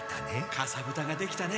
「かさぶたができたね。